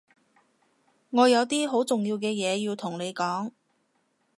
我有啲好重要嘅嘢要同你講